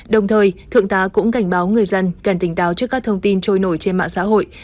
đồng thời thượng tá cũng cảnh báo người dân cần tỉnh táo trước các thông tin trôi nổi trên mạng xã hội